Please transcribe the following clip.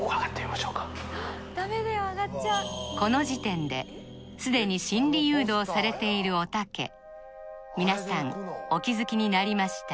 この時点ですでに心理誘導されているおたけ皆さんお気づきになりました？